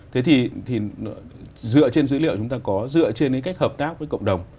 thế thì dựa trên dữ liệu chúng ta có dựa trên cái cách hợp tác với cộng đồng